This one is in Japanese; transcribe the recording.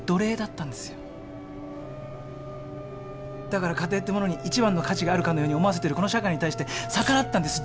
だから家庭ってものに一番の価値があるかのように思わせてるこの社会に対して逆らったんです。